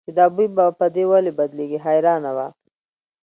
چې دا بوی به په دې ولې بد لګېږي حیرانه وه.